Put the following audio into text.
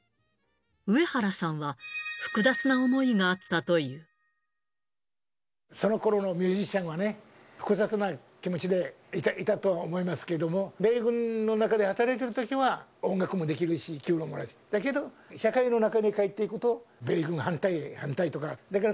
上原さんは、複雑な思いがあったそのころのミュージシャンはね、複雑な気持ちでいたと思いますけども、米軍の中で働いているときは、音楽もできるし、給料ももらえる、だけど社会の中へ帰っていくと、米軍反対とか。